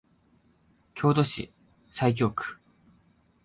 京都市西京区